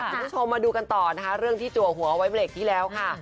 คุณผู้ชมมาดูกันต่อนะคะเรื่องที่จัวหัวเอาไว้เบรกที่แล้วค่ะ